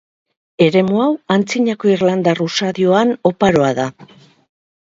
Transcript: Eremu hau antzinako irlandar usadioan oparoa da.